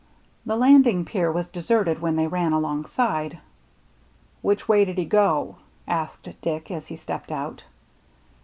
The landing pier was deserted when they ran alongside. " Which way did he go ?" asked Dick, as he stepped out.